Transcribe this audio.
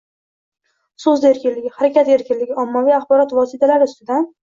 so‘z erkinligi, harakat erkinligi, ommaviy axborot vositalari ustidan